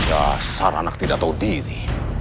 dasar anak tidak tahu diri